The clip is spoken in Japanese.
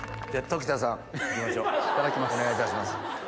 お願いいたします。